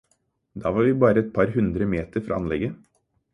Da var vi bare et par hundre meter fra anlegget.